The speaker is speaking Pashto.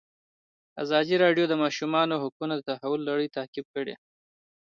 ازادي راډیو د د ماشومانو حقونه د تحول لړۍ تعقیب کړې.